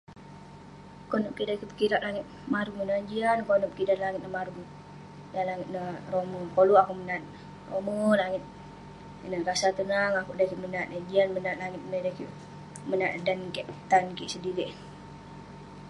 Konep kik dan kik pekirak langit marung ineh, jian konep kik dan langit marung..dan langit ineh rome..koluk akouk menat, rome langit..ineh, rasa tenang akouk dan kik menat, jian menat langit dan kik menat eh, dan kik..tan kik sedirik